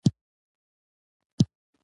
ګرانه په دې رخصتۍ کې به مو ډېر ساعت تېر شي.